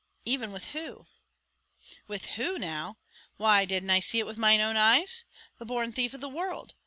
"Even with who?" "With who now? why didn't I see it with my own eyes? the born thief of the world!